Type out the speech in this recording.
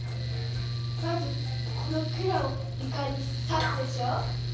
まずこの管をゆかにさすでしょ。